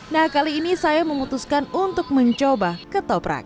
nah kali ini saya memutuskan untuk mencoba ke toprak